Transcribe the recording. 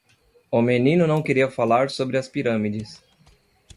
O menino não queria falar sobre as pirâmides.